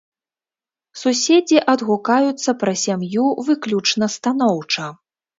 Суседзі адгукаюцца пра сям'ю выключна станоўча.